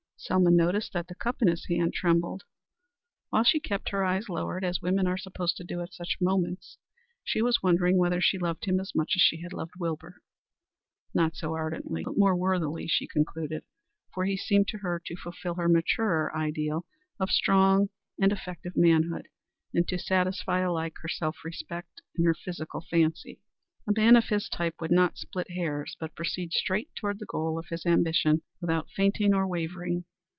Selma noticed that the cup in his hand trembled. While she kept her eyes lowered, as women are supposed to do at such moments, she was wondering whether she loved him as much as she had loved Wilbur? Not so ardently, but more worthily, she concluded, for he seemed to her to fulfil her maturer ideal of strong and effective manhood, and to satisfy alike her self respect and her physical fancy. A man of his type would not split hairs, but proceed straight toward the goal of his ambition without fainting or wavering.